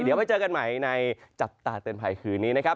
เดี๋ยวไปเจอกันใหม่ในจับตาเตือนภัยคืนนี้นะครับ